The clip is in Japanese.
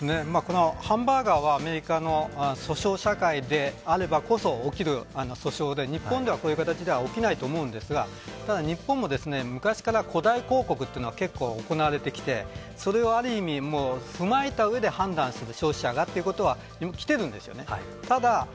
ハンバーガーはアメリカの訴訟社会であればこそ起きる訴訟で、日本ではこういう形では起きないと思うんですがただ日本も昔から誇大広告というのは結構行われてきていてそれはある意味、踏まえた意味で判断する消費者がということはきているんです。